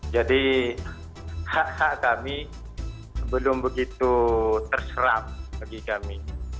jadi hak hak kami belum begitu terserap bagi kami